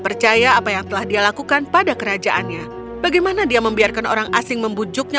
percaya apa yang telah dia lakukan pada kerajaannya bagaimana dia membiarkan orang asing membujuknya